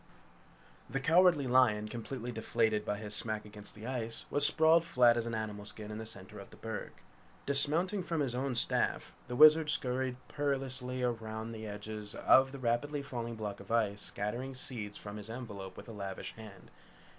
The Cowardly Lion, completely deflated by his smack against the ice, was sprawled flat as an animal skin in the center of the berg. Dismounting from his own staff, the Wizard scurried perilously round the edges of the rapidly falling block of ice scattering seeds from his envelope with a lavish hand.